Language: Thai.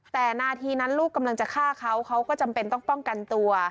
แต่นาทีนั้นลูกกำลังจะฆ่าเขาเขาก็จำเป็นต้องป้องกันตัว